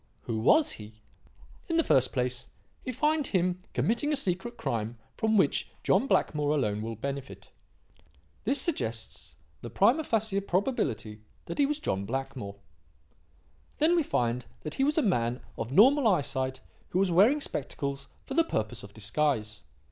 Who was he? "In the first place, we find him committing a secret crime from which John Blackmore alone will benefit. This suggests the prima facie probability that he was John Blackmore. "Then we find that he was a man of normal eyesight who was wearing spectacles for the purpose of disguise.